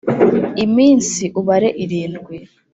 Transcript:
iminsi ubare irindwi